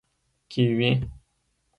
🥝 کیوي